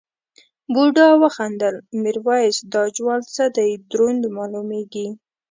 بوډا وخندل میرويس دا جوال څه دی دروند مالومېږي.